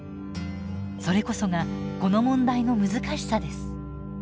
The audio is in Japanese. それこそがこの問題の難しさです。